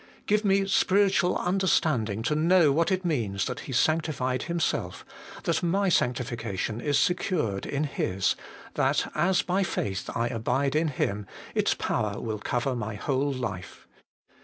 Give me spiritual under standing to know what it means that He sanctified Himself, that my sanctification is secured in His, that as by faith I abide in Him, its power will cover my whole life.